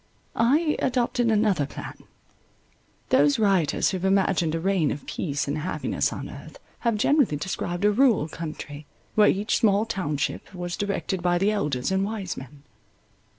I adopted another plan. Those writers who have imagined a reign of peace and happiness on earth, have generally described a rural country, where each small township was directed by the elders and wise men.